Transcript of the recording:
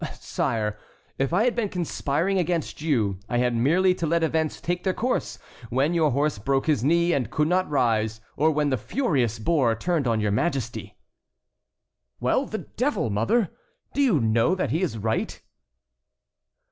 "Sire, if I had been conspiring against you, I had merely to let events take their course, when your horse broke his knee and could not rise, or when the furious boar turned on your Majesty." "Well, the devil! mother, do you know that he is right?"